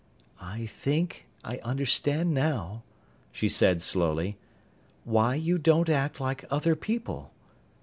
"I think I understand now," she said slowly, "why you don't act like other people.